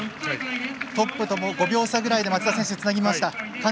トップとも５秒差ぐらいで松田選手につなぎました。